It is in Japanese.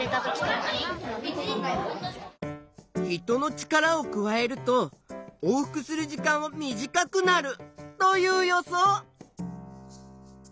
人の力を加えると往復する時間は短くなるという予想。